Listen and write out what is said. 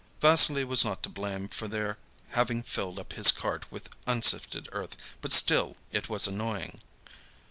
Vassily was not to blame for their having filled up his cart with unsifted earth, but still it was annoying.